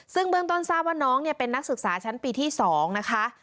ซึ่งเบื้องต้นทราบว่าน้องเป็นนักศึกษาชั้นปีที่๒นะคะ